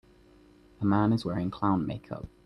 A man is wearing clown makeup.